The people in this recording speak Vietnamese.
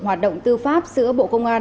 hoạt động tư pháp giữa bộ công an